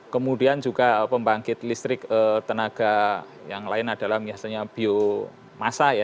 kemudian juga pembangkit listrik tenaga yang lain adalah biasanya biomasa ya